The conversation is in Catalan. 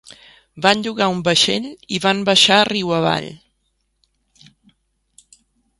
Van llogar un vaixell i van baixar riu avall.